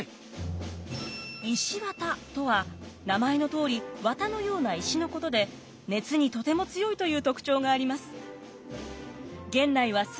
石綿とは名前のとおり綿のような石のことで熱にとても強いという特徴があります。